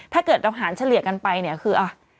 ถ้าเกิดเราหารเฉลี่ยกันไปเนี่ยคือ